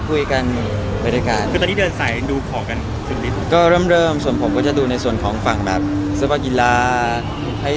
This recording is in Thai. เป็นดังที่แค่เขารู้ว่าพลายาทองคือฝันไปหรือเปล่า